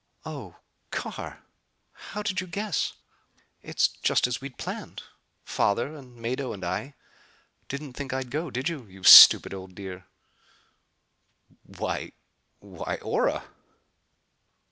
"Oh, Carr! How did you guess? It's just as we'd planned. Father and Mado and I. Didn't think I'd go, did you, you stupid old dear?" "Why why Ora."